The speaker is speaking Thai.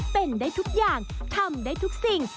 เป็นได้ทุกอย่างทำได้ทุกสิ่ง